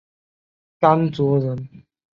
甘卓人。